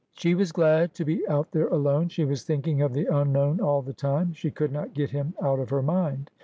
She was glad to be out there alone. She was thinking of the unknown all the time. She could not get him out of her mind.